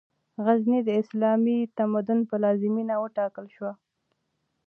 غزنی، د اسلامي تمدن پلازمېنه وټاکل شوه.